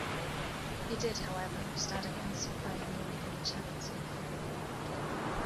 He did, however, start against Bayern Munich in the Champions League final.